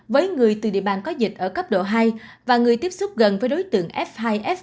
với người từ địa bàn có dịch ở cấp độ hai và người tiếp xúc gần với đối tượng f hai s